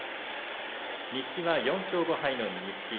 西は４勝５敗の錦木。